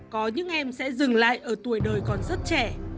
có những em sẽ dừng lại ở tuổi đời còn rất trẻ